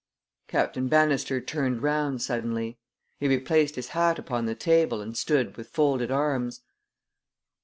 Captain Bannister turned round suddenly. He replaced his hat upon the table and stood with folded arms.